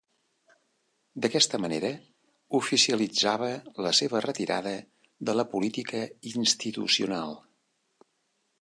D'aquesta manera, oficialitzava la seva retirada de la política institucional.